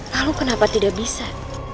lalu kenapa tidak bisa